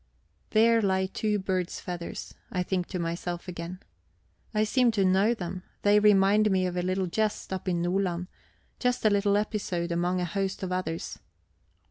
There lie two bird's feathers, I think to myself again. I seem to know them; they remind me of a little jest up in Nordland, just a little episode among a host of others.